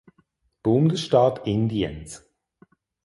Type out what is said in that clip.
Bundesstaat Indiens.